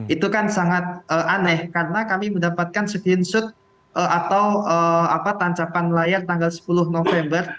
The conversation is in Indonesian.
itu kan sangat aneh karena kami mendapatkan skinsut atau tancapan layar tanggal sepuluh november